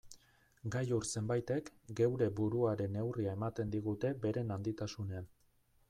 Gailur zenbaitek geure buruaren neurria ematen digute beren handitasunean.